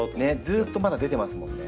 ずっとまだ出てますもんね。